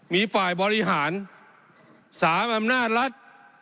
มีฝ่ายบริหาร๓อำนาจรัฐ